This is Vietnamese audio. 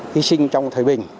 hy sinh trong thời bình